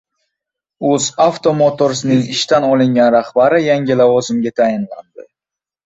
«UzAuto Motors»ning ishdan olingan rahbari yangi lavozimga tayinlandi